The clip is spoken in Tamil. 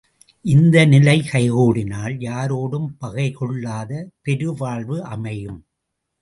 இந்த நிலை கைகூடினால் யாரோடும் பகை கொள்ளாத பெரு வாழ்வு அமையும்.